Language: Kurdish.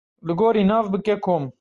Li gorî nav bike kom.